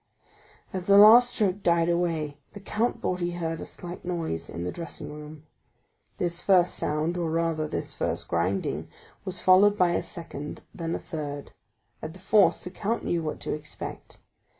40152m As the last stroke died away, the count thought he heard a slight noise in the dressing room; this first sound, or rather this first grinding, was followed by a second, then a third; at the fourth, the count knew what to expect.